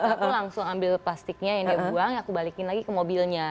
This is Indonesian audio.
aku langsung ambil plastiknya yang dia buang aku balikin lagi ke mobilnya